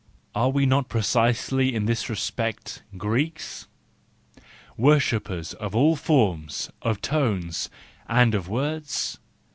Are we not precisely in this respect—Greeks? Worshippers of forms, of tones, and of words?